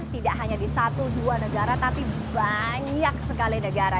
tidak hanya di satu dua negara tapi banyak sekali negara